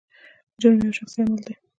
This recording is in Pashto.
جرم یو شخصي عمل دی.